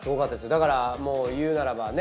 だからもう言うならばね